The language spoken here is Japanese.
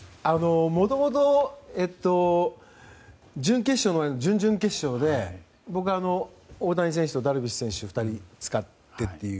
もともと、準々決勝で大谷選手とダルビッシュ選手を２人使ってという。